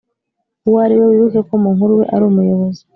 uwo ari we Wibuke ko mu nkuru we ari umuyobozi